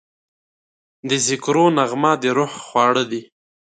د ذکرو نغمه د روح خواړه ده.